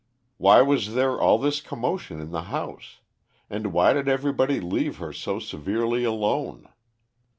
Why was there all this commotion in the house? And why did everybody leave her so severely alone?